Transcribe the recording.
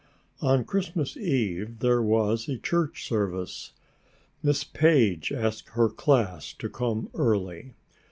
On Christmas eve there was a church service. Miss Page asked her class to come early.